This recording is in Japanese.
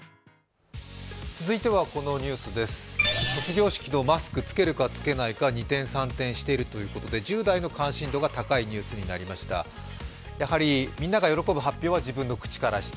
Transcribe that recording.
続いては、卒業式のマスク着けるか着けないか二転三転しているということで１０代の関心度が高いニュースになりました。